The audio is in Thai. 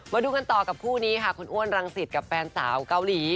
มาดูกันต่อกับคู่นี้ค่ะคุณอ้วนรังสิตกับแฟนสาวเกาหลี